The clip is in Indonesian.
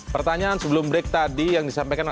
pertanyaan sebelum break tadi yang disampaikan